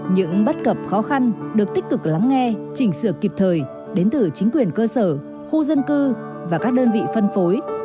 những bất cập khó khăn được tích cực lắng nghe chỉnh sửa kịp thời đến từ chính quyền cơ sở khu dân cư và các đơn vị phân phối